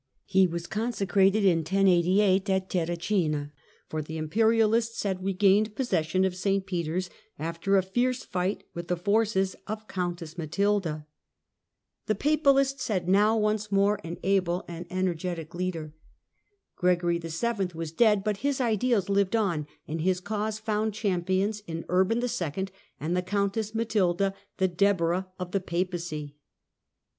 He was consecrated in 1088 at Terracina, for the imperialists had regained possession of St Peter's, after a fierce fight with the forces of Countess Matilda. The papalists had now 90 THE CENTRAL PERIOD OF THE MIDDLE AGE once more an able and energetic leader. Gregory VII. was dead, but his ideals lived on, and his cause found champions in Urban II. and the Countess Matilda, " the Deborah of the Papacy."